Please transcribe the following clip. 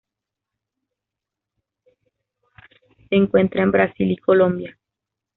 Se encuentra en Brasil y Colombia.